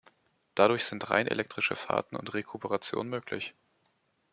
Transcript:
Dadurch sind rein elektrische Fahrten und Rekuperation möglich.